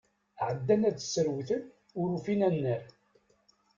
Ɛeddan ad ssrewten, ur ufin annar.